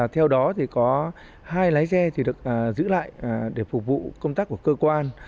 theo đó thì có hai lái xe được giữ lại để phục vụ công tác của cơ quan